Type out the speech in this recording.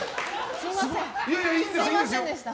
すみませんでした。